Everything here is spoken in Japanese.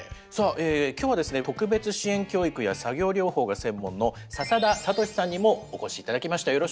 さあ今日はですね特別支援教育や作業療法が専門の笹田哲さんにもお越し頂きました。